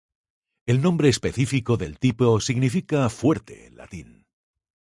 El nombre específico del tipo significa "fuerte" en latín.